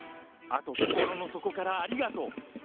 あと、心の底からありがとう。